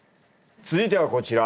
続いてはこちら。